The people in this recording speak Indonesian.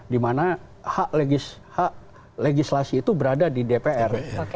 dimana hak legislasi itu berada di dpr